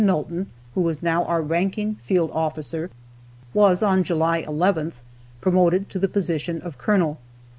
Nulton, who was now our ranking field officer, was, on July 11th, promoted to the position of Colonel.